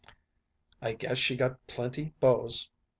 '" "I guess she got plenty beaus.